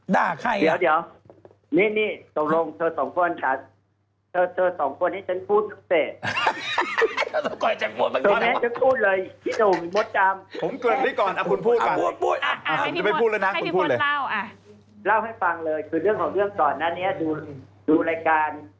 ด้าใครอะเดี๋ยวนี่ตรงเธอสองคนค่ะ